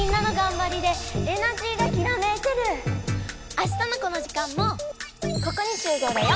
あしたのこの時間もここに集合だよ！